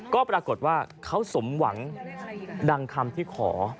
ก็ปรากฏว่าเขาสมหวังดังคำที่ขอ